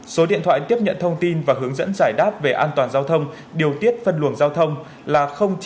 số điện thoại tiếp nhận thông tin và hướng dẫn giải đáp về an toàn giao thông điều tiết phân luồng giao thông là chín trăm một mươi sáu sáu trăm linh tám tám mươi năm